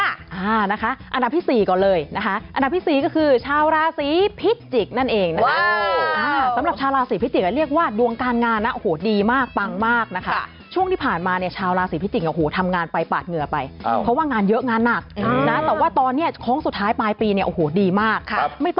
อันดับที่๔ก่อนเลยอันดับที่๔ก็คือชาวราศีพิจิกนั่นเองสำหรับชาวราศีพิจิกเรียกว่าดวงการงานดีมากปังมากช่วงที่ผ่านมาชาวราศีพิจิกทำงานไปปาดเหงื่อไปเพราะว่างานเยอะงานหนักแต่ว่าตอนนี้โค้งสุดท้ายปลายปีดีมากไม่ต